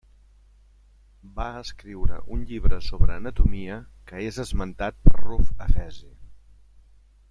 Va escriure un llibre sobre anatomia que és esmentat per Ruf Efesi.